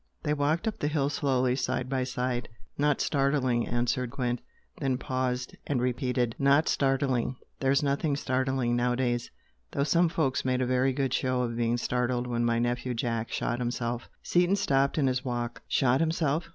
They walked up the hill slowly, side by side. "Not startling" answered Gwent then paused and repeated "Not startling there's nothing startling nowadays though some folks made a very good show of being startled when my nephew Jack shot himself." Seaton stopped in his walk. "Shot himself?